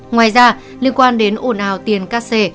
ngoài ra liên quan đến hồn ào tiền cắt xe